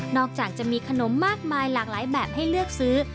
จากจะมีขนมมากมายหลากหลายแบบให้เลือกซื้อ